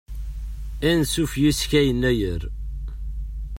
Ansuf yis-k a yennayer.